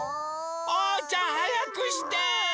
おうちゃんはやくして！